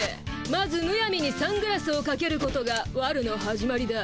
まずむやみにサングラスをかけることがわるの始まりだ。